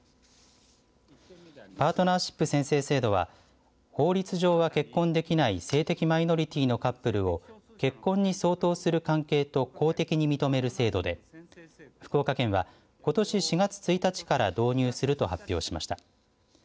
パートナーシップ宣誓制度は法律上は結婚できない性的マイノリティーのカップルなどを結婚に相当する関係と公的に認める制度で福岡県は、ことし４月１日から導入すると発表しました。